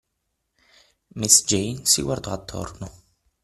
Miss Jane si guardò attorno.